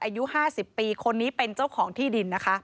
อายุ๕๐ปีคนนี้เป็นเจ้าของที่ดินนะคะ